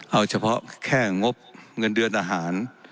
เอาเฉพาะแค่งบเงินเดือนอาหาร